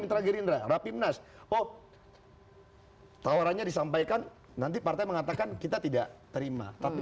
mitra gerindra rapimnas oh tawarannya disampaikan nanti partai mengatakan kita tidak terima tapi